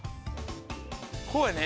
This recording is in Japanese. こうやね？